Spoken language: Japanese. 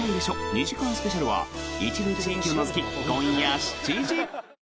２時間スペシャルは一部地域を除き今夜７時。